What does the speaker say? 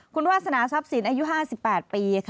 คุณวาสนาทรัพย์สินอายุ๕๘ปี